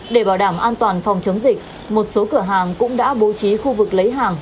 để bảo đảm an toàn phòng chống dịch một số cửa hàng cũng đã bố trí khu vực lấy hàng